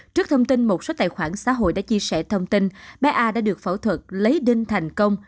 trước thông tin một số tài khoản xã hội đã chia sẻ thông tin bé a đã được phẫu thuật lấy đinh thành công